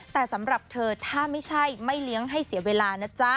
แต่สำหรับเธอถ้าไม่ใช่ไม่เลี้ยงให้เสียเวลานะจ๊ะ